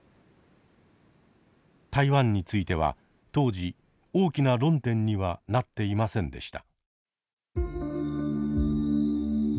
台湾については当時大きな論点にはなっていませんでした。